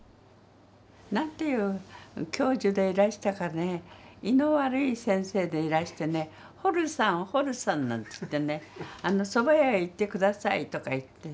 何ていう教授でいらしたかね胃の悪い先生でいらしてね「ホルさんホルさん」なんて言ってね「そば屋へ行って下さい」とか言って。